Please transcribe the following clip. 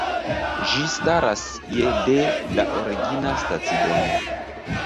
Ĝi staras je de la origina stacidomo.